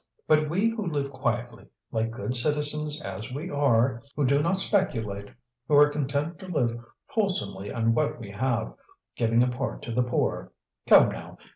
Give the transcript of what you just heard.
But we who live quietly, like good citizens as we are, who do not speculate, who are content to live wholesomely on what we have, giving a part to the poor: Come, now!